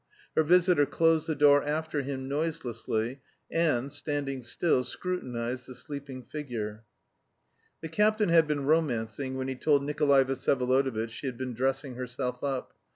Her visitor closed the door after him noiselessly, and, standing still, scrutinised the sleeping figure. The captain had been romancing when he told Nikolay Vsyevolodovitch she had been dressing herself up.